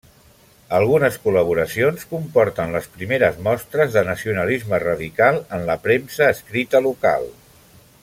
Algunes col·laboracions comporten les primeres mostres de nacionalisme radical en la premsa escrita local.